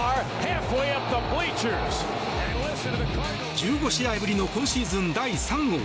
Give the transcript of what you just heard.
１５試合ぶりの今シーズン第３号。